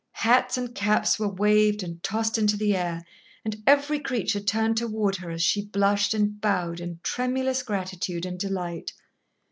Hats and caps were waved and tossed into the air, and every creature turned toward her as she blushed and bowed in tremulous gratitude and delight.